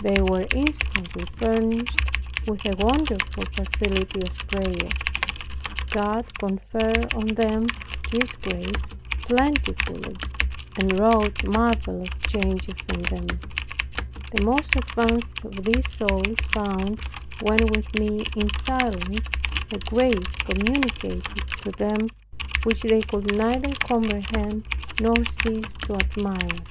They were instantly furnished with a wonderful facility of prayer. God conferred on them His grace plentifully, and wrought marvelous changes in them. The most advanced of these souls found, when with me, in silence, a grace communicated to them which they could neither comprehend, nor cease to admire.